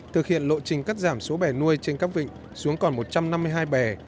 thực hiện lộ trình cắt giảm số bè nuôi trên các vịnh xuống còn một trăm năm mươi hai bè